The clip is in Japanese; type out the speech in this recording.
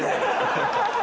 ハハハハ。